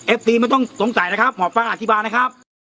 ทีไม่ต้องสงสัยนะครับหมอฟังอธิบายนะครับ